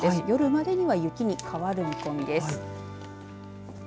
夜までには雪に変わる見込みです。